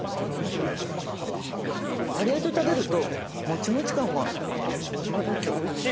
カレーと食べるともちもち感が際立っておいしい！